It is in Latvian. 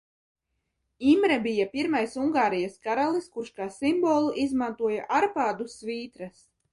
"Imre bija pirmais Ungārijas karalis, kurš kā simbolu izmantoja "Ārpādu svītras"."